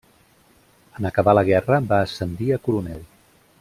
En acabar la guerra va ascendir a coronel.